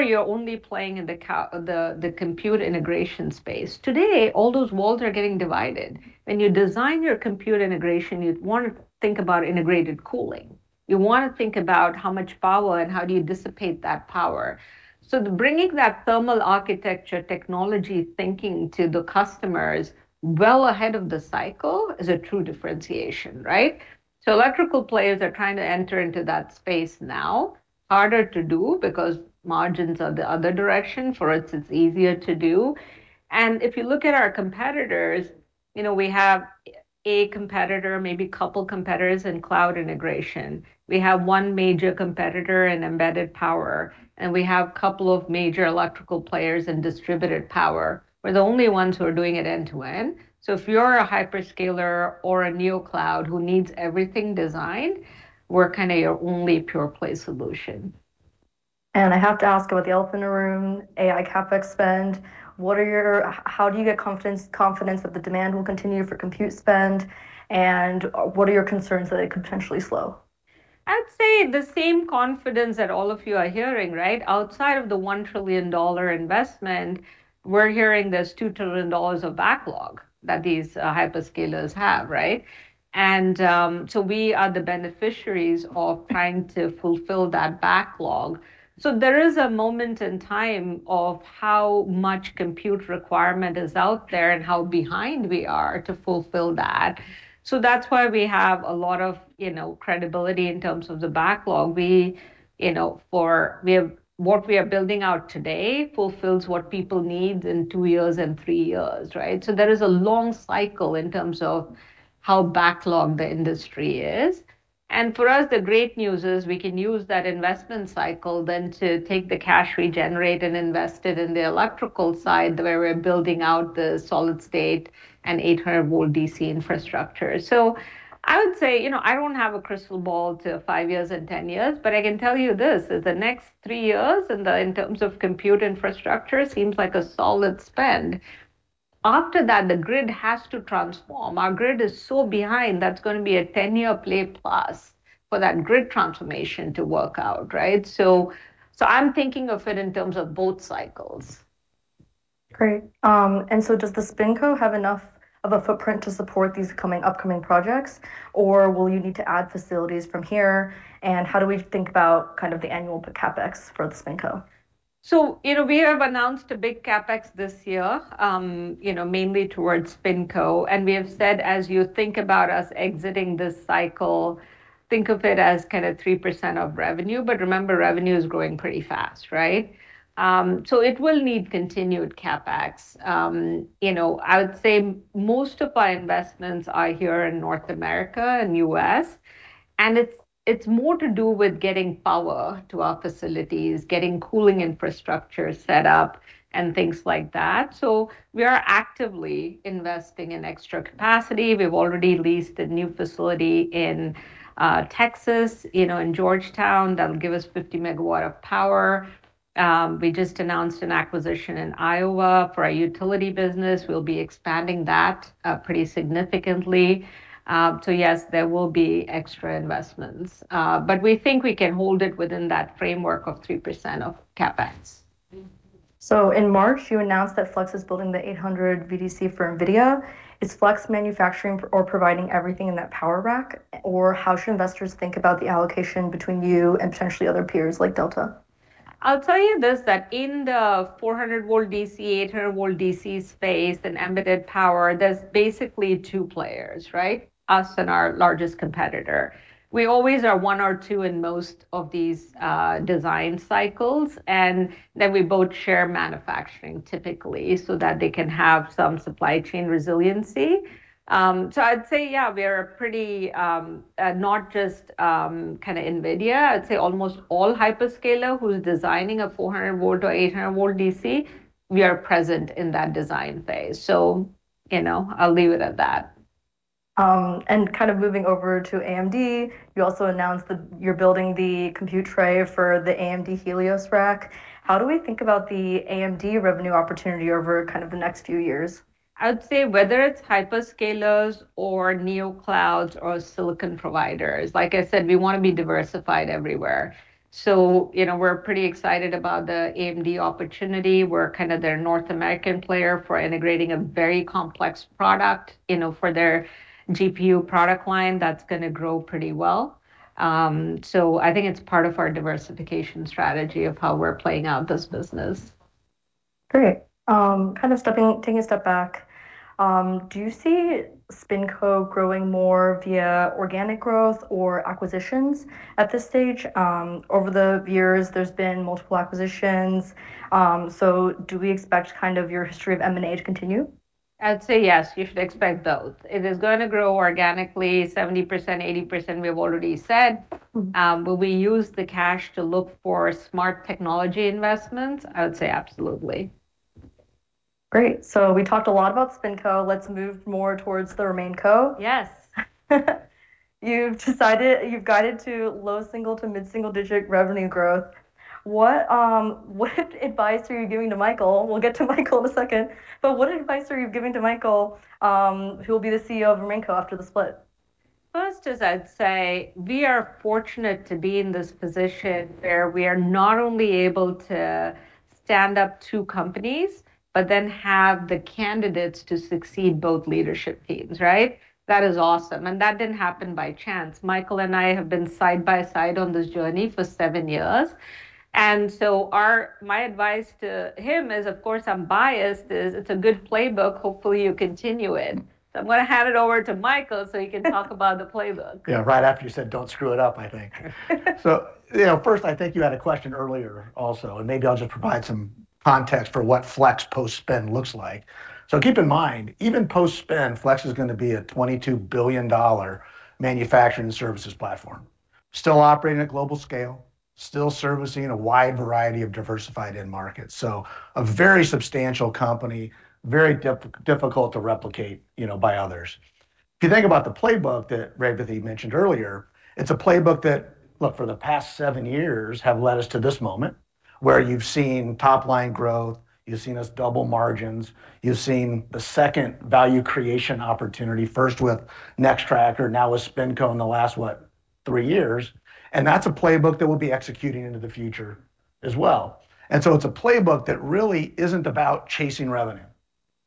You're only playing in the compute integration space. Today, all those walls are getting divided. When you design your compute integration, you want to think about integrated cooling. You want to think about how much power, and how do you dissipate that power. Bringing that thermal architecture technology thinking to the customers well ahead of the cycle is a true differentiation, right? Electrical players are trying to enter into that space now. Harder to do because margins are the other direction. For us, it's easier to do. If you look at our competitors, we have a competitor, maybe couple competitors in cloud integration. We have one major competitor in embedded power, and we have couple of major electrical players in distributed power. We're the only ones who are doing it end-to-end. If you're a hyperscaler or a neocloud who needs everything designed, we're your only pure play solution. I have to ask about the elephant in the room, AI CapEx spend. How do you get confidence that the demand will continue for compute spend, and what are your concerns that it could potentially slow? I'd say the same confidence that all of you are hearing, right? Outside of the $1 trillion investment, we're hearing there's $2 trillion of backlog that these hyperscalers have, right? We are the beneficiaries of trying to fulfill that backlog. There is a moment in time of how much compute requirement is out there and how behind we are to fulfill that. That's why we have a lot of credibility in terms of the backlog. What we are building out today fulfills what people need in two years and three years, right? There is a long cycle in terms of how backlogged the industry is. For us, the great news is we can use that investment cycle then to take the cash we generate and invest it in the electrical side, where we're building out the solid state 800 VDC infrastructure. I would say, I don't have a crystal ball to five years and 10 years, but I can tell you this is the next three years in terms of compute infrastructure seems like a solid spend. After that, the grid has to transform. Our grid is so behind, that's going to be a 10-year play plus for that grid transformation to work out, right? I'm thinking of it in terms of both cycles. Great. Does the SpinCo have enough of a footprint to support these upcoming projects, or will you need to add facilities from here? How do we think about the annual CapEx for the SpinCo? We have announced a big CapEx this year, mainly towards SpinCo. We have said, as you think about us exiting this cycle, think of it as 3% of revenue, but remember, revenue is growing pretty fast, right? It will need continued CapEx. I would say most of our investments are here in North America and U.S., and it's more to do with getting power to our facilities, getting cooling infrastructure set up, and things like that. We are actively investing in extra capacity. We've already leased a new facility in Texas, in Georgetown, that'll give us 50 MW of power. We just announced an acquisition in Iowa for our utility business. We'll be expanding that pretty significantly. Yes, there will be extra investments. We think we can hold it within that framework of 3% of CapEx. In March, you announced that Flex is building 800 VDC for Nvidia. Is Flex manufacturing or providing everything in that power rack? How should investors think about the allocation between you and potentially other peers like Delta? I'll tell you this, that in the 400 VDC space and embedded power, there's basically two players, right? Us and our largest competitor. We always are one or two in most of these design cycles, and then we both share manufacturing typically, so that they can have some supply chain resiliency. I'd say yeah, not just Nvidia, I'd say almost all hyperscaler who's designing a 400 VDC or 800 VDC, we are present in that design phase. I'll leave it at that. Kind of moving over to AMD, you also announced that you're building the compute tray for the AMD Helios rack. How do we think about the AMD revenue opportunity over the next few years? I'd say whether it's hyperscalers or neoclouds or silicon providers, like I said, we want to be diversified everywhere. We're pretty excited about the AMD opportunity. We're kind of their North American player for integrating a very complex product for their GPU product line that's going to grow pretty well. I think it's part of our diversification strategy of how we're playing out this business. Great. Taking a step back, do you see SpinCo growing more via organic growth or acquisitions at this stage? Over the years, there's been multiple acquisitions, do we expect your history of M&A to continue? I'd say yes. You should expect both. It is going to grow organically 70%, 80%, we've already said. Will we use the cash to look for smart technology investments? I would say absolutely. Great. We talked a lot about SpinCo. Let's move more towards the RemainCo. Yes. You've guided to low single to mid-single digit revenue growth. What advice are you giving to Michael? We'll get to Michael in a second, but what advice are you giving to Michael, who will be the CEO of RemainCo after the split? First is I'd say we are fortunate to be in this position where we are not only able to stand up two companies, but then have the candidates to succeed both leadership teams, right? That is awesome. That didn't happen by chance. Michael and I have been side by side on this journey for seven years. My advice to him is, of course, I'm biased, is it's a good playbook. Hopefully you continue it. I'm going to hand it over to Michael so he can talk about the playbook. Yeah, right after you said, "Don't screw it up," I think. First, I think you had a question earlier also, and maybe I'll just provide some context for what Flex post-spin looks like. Keep in mind, even post-spin, Flex is going to be a $22 billion manufacturing services platform. Still operating at global scale, still servicing a wide variety of diversified end markets. A very substantial company, very difficult to replicate by others. If you think about the playbook that Revathi mentioned earlier, it's a playbook that for the past seven years, have led us to this moment where you've seen top-line growth. You've seen us double margins. You've seen the second value creation opportunity, first with Nextracker or now with SpinCo in the last, what? Three years. That's a playbook that we'll be executing into the future as well. It's a playbook that really isn't about chasing revenue.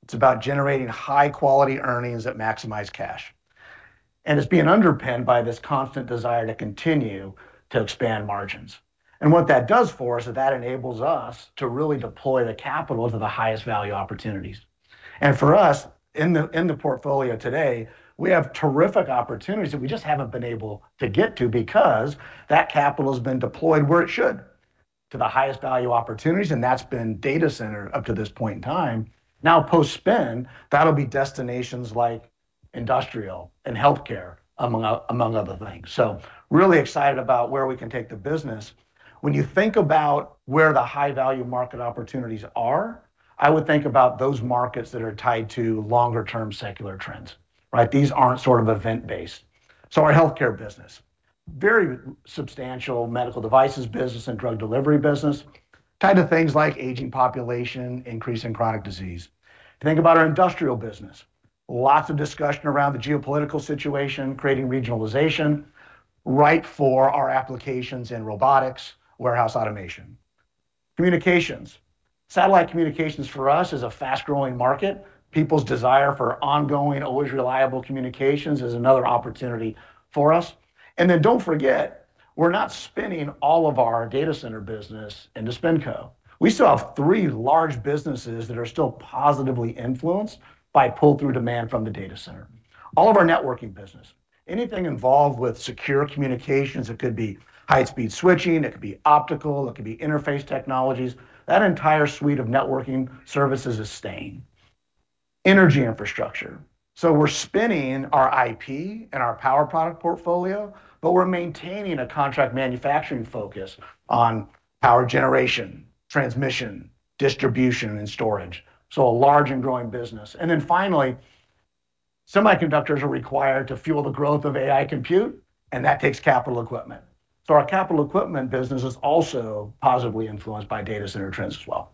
It's about generating high-quality earnings that maximize cash. It's being underpinned by this constant desire to continue to expand margins. What that does for us is that enables us to really deploy the capital to the highest value opportunities. For us, in the portfolio today, we have terrific opportunities that we just haven't been able to get to because that capital's been deployed where it should, to the highest value opportunities, and that's been data center up to this point in time. Now post-spin, that'll be destinations like industrial and healthcare, among other things. Really excited about where we can take the business. When you think about where the high-value market opportunities are, I would think about those markets that are tied to longer-term secular trends, right? These aren't event-based. Our healthcare business, very substantial medical devices business and drug delivery business. Kind of things like aging population, increase in chronic disease. Think about our industrial business. Lots of discussion around the geopolitical situation, creating regionalization, right for our applications in robotics, warehouse automation. Communications. Satellite communications for us is a fast-growing market. People's desire for ongoing, always reliable communications is another opportunity for us. Don't forget, we're not spinning all of our data center business into SpinCo. We still have three large businesses that are still positively influenced by pull-through demand from the data center. All of our networking business, anything involved with secure communications, it could be high-speed switching, it could be optical, it could be interface technologies. That entire suite of networking services is staying. Energy infrastructure. We're spinning our IP and our power product portfolio, but we're maintaining a contract manufacturing focus on power generation, transmission, distribution, and storage. A large and growing business. Finally, semiconductors are required to fuel the growth of AI compute, and that takes capital equipment. Our capital equipment business is also positively influenced by data center trends as well.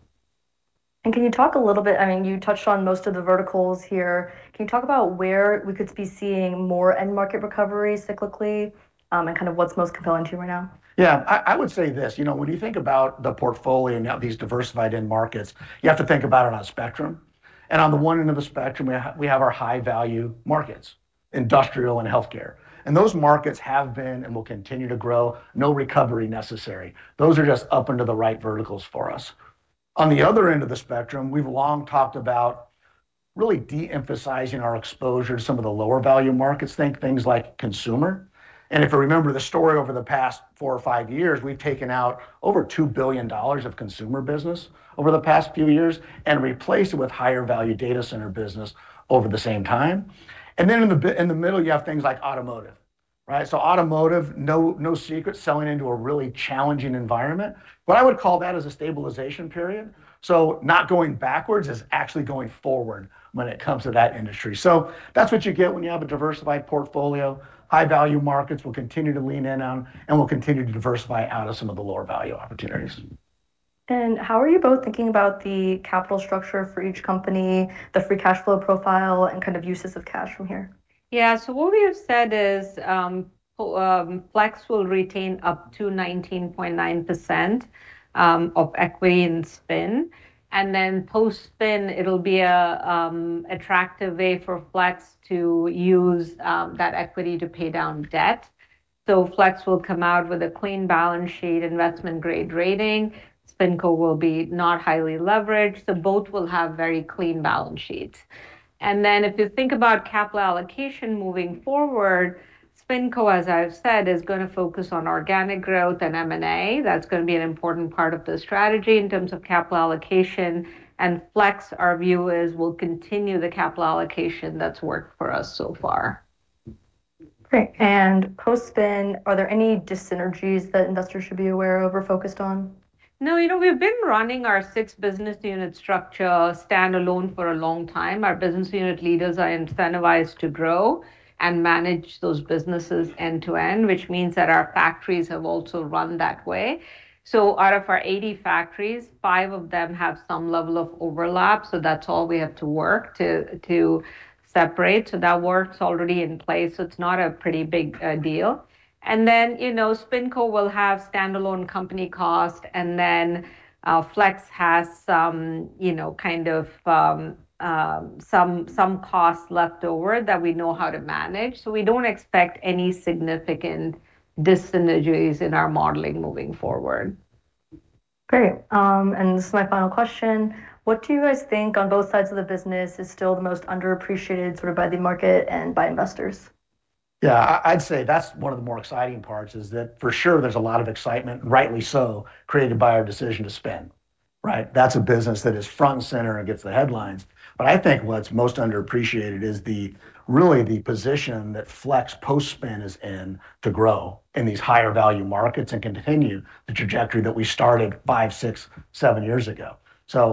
Can you talk a little bit, you touched on most of the verticals here. Can you talk about where we could be seeing more end market recovery cyclically, and what's most compelling to you right now? Yeah. I would say this. When you think about the portfolio and these diversified end markets, you have to think about it on a spectrum. On the one end of the spectrum, we have our high-value markets, industrial and healthcare. Those markets have been and will continue to grow, no recovery necessary. Those are just up into the right verticals for us. On the other end of the spectrum, we've long talked about really de-emphasizing our exposure to some of the lower value markets. Think things like consumer. If you remember the story over the past four or five years, we've taken out over $2 billion of consumer business over the past few years, and replaced it with higher value data center business over the same time. In the middle, you have things like automotive, right? Automotive, no secret, selling into a really challenging environment, but I would call that as a stabilization period. Not going backwards as actually going forward when it comes to that industry. That's what you get when you have a diversified portfolio. High value markets we'll continue to lean in on, and we'll continue to diversify out of some of the lower value opportunities. How are you both thinking about the capital structure for each company, the free cash flow profile, and uses of cash from here? What we have said is Flex will retain up to 19.9% of equity in Spin, and then post-spin, it'll be an attractive way for Flex to use that equity to pay down debt. Flex will come out with a clean balance sheet investment-grade rating. SpinCo will be not highly leveraged. Both will have very clean balance sheets. If you think about capital allocation moving forward, SpinCo, as I've said, is going to focus on organic growth and M&A. That's going to be an important part of the strategy in terms of capital allocation. Flex, our view is, will continue the capital allocation that's worked for us so far. Great. Post-spin, are there any dyssynergies that investors should be aware of or focused on? No. We've been running our six business unit structure standalone for a long time. Our business unit leaders are incentivized to grow and manage those businesses end to end, which means that our factories have also run that way. Out of our 80 factories, five of them have some level of overlap, so that's all we have to work to separate. That work's already in place, so it's not a pretty big deal. SpinCo will have standalone company cost, and then Flex has some costs left over that we know how to manage. We don't expect any significant dyssynergies in our modeling moving forward. Great. This is my final question. What do you guys think on both sides of the business is still the most underappreciated by the market and by investors? Yeah. I'd say that's one of the more exciting parts, is that for sure there's a lot of excitement, and rightly so, created by our decision to spin. Right? That's a business that is front and center and gets the headlines. I think what's most underappreciated is really the position that Flex post-spin is in to grow in these higher value markets and continue the trajectory that we started five, six, seven years ago.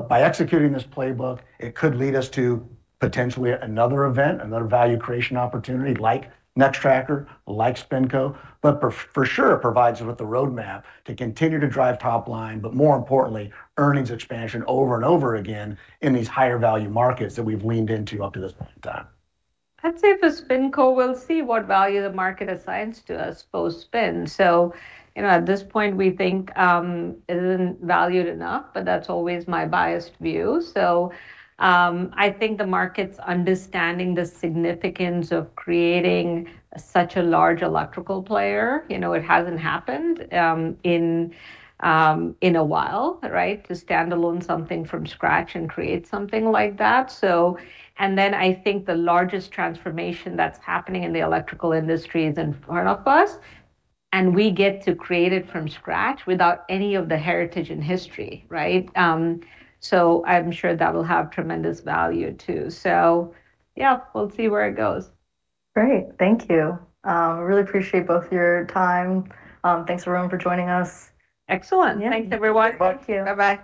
By executing this playbook, it could lead us to potentially another event, another value creation opportunity like Nextracker, like SpinCo. For sure, it provides it with a roadmap to continue to drive top line, but more importantly, earnings expansion over and over again in these higher value markets that we've leaned into up to this point in time. I'd say for SpinCo, we'll see what value the market assigns to us post-spin. At this point we think it isn't valued enough, but that's always my biased view. I think the market's understanding the significance of creating such a large electrical player. It hasn't happened in a while, right? To standalone something from scratch and create something like that. I think the largest transformation that's happening in the electrical industry is in front of us, and we get to create it from scratch without any of the heritage and history, right? I'm sure that will have tremendous value too. Yeah, we'll see where it goes. Great. Thank you. I really appreciate both your time. Thanks, everyone, for joining us. Excellent. Yeah. Thanks, everyone. Thank you. Bye-bye.